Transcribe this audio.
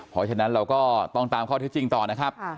เพราะฉะนั้นเราก็ต้องตามข้อที่จริงต่อนะครับ